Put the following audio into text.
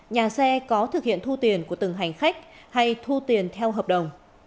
nhà xe có thực hiện thu tiền của từng hành khách hay thu tiền theo hợp đồng